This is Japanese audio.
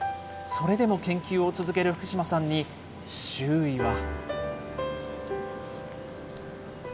それでも研究を続ける福島さんに、周囲は。